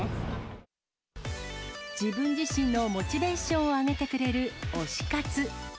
自分自身のモチベーションを上げてくれる推し活。